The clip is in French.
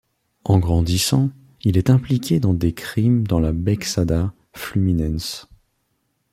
En grandissant, il est impliqué dans des crimes dans la Baixada Fluminense.